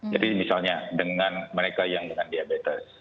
jadi misalnya dengan mereka yang dengan diabetes